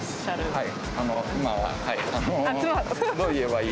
はい。